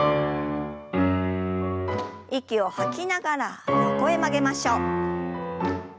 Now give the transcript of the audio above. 息を吐きながら横へ曲げましょう。